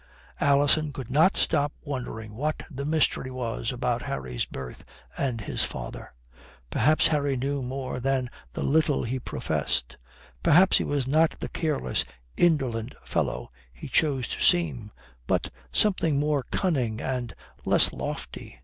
Alison could not stop wondering what the mystery was about Harry's birth and his father. Perhaps Harry knew more than the little he professed. Perhaps he was not the careless, indolent fellow he chose to seem, but something more cunning and less lofty.